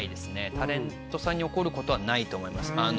タレントさんに怒ることはないと思います